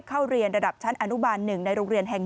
เข้าเรียนระดับชั้นอนุบาล๑ในโรงเรียนแห่ง๑